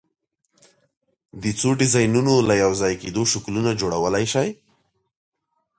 د څو ډیزاینونو له یو ځای کېدو شکلونه جوړولی شئ؟